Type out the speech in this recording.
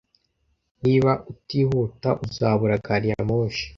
Niba utihuta uzabura gari ya moshi